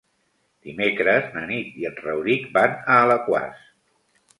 Dimecres na Nit i en Rauric van a Alaquàs.